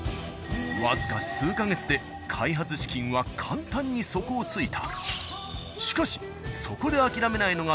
僅か数ヶ月で開発資金は簡単に底をついた。